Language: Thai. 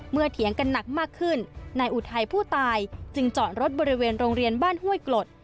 เถียงกันหนักมากขึ้นนายอุทัยผู้ตายจึงจอดรถบริเวณโรงเรียนบ้านห้วยกรด